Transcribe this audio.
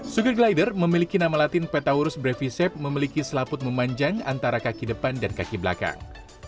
sugar glider memiliki nama latin petaurus brevisep memiliki selaput memanjang antara kaki depan dan kaki belakang